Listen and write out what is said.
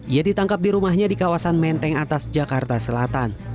ia ditangkap di rumahnya di kawasan menteng atas jakarta selatan